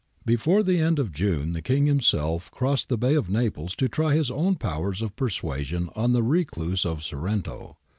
^ Before the end of June the King himself crossed the Bay of Naples to try his own powers of persuasion on the recluse of Sorrento.